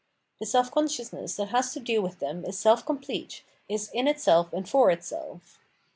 The self consciousness that has to do with them is self complete, is in itseh and for itself.